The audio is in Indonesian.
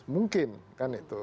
mungkin kan itu